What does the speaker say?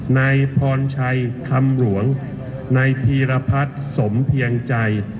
นายพรชัยคำหลวงนายพีรพัฒน์สมเพียงใจ